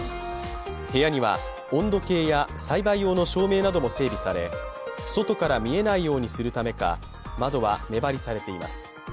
部屋には温度計や栽培用の照明なども整備され、外から見えないようにするためか窓は目張りされています。